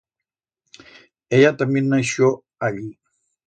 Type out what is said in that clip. Ella tamién naixió allí.